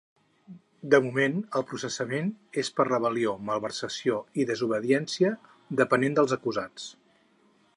De moment, el processament és per rebel·lió, malversació i desobediència, depenent dels acusats.